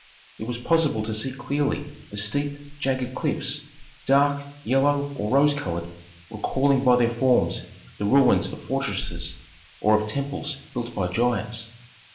It was possible to see clearly the steep, jagged cliffs, dark, yellow or rose colored, recalling by their forms the ruins of fortresses or of temples built by giants.